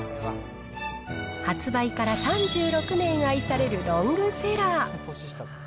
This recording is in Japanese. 発売から３６年愛されるロングセラー。